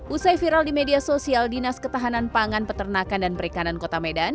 usai viral di media sosial dinas ketahanan pangan peternakan dan perikanan kota medan